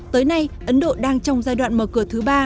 tới nay ấn độ đang trong giai đoạn mở cửa thứ ba